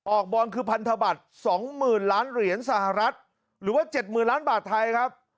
บอลคือพันธบัตร๒๐๐๐ล้านเหรียญสหรัฐหรือว่า๗๐๐ล้านบาทไทยครับ